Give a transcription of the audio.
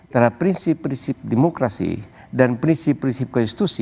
terhadap prinsip prinsip demokrasi dan prinsip prinsip konstitusi